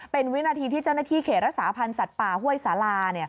เป็นวินาทีที่เจ้าหน้าที่เขตรักษาพันธ์สัตว์ป่าห้วยสารา